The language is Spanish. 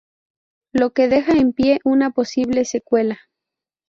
Lo que deja en pie una posible secuela.